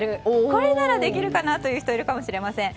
これならできるかなという人いるかもしれません。